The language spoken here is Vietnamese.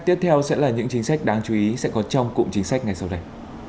tiếp theo sẽ là những chính sách đáng chú ý sẽ có trong cụm chính sách ngay sau đây